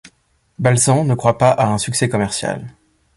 Balsan ne croit pas à un succès commercial.